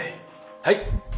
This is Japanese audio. はい。